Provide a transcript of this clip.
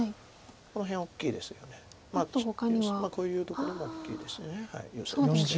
こういうところも大きいですヨセとして。